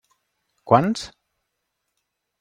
Quants?